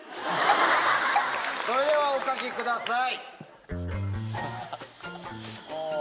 それではお描きください。